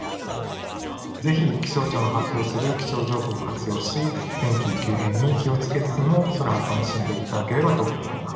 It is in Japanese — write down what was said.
是非気象庁の発表する気象情報を活用し天気の急変に気を付けつつも空を楽しんでいただければと思います。